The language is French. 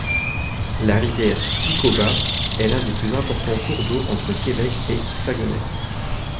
La rivière Pikauba est l'un des plus importants cours d'eau entre Québec et Saguenay.